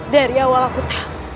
dari awal aku tahu